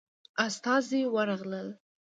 استازي ورغلل.